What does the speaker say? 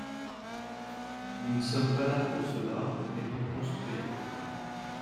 Nous ne sommes pas là pour cela, mais pour construire.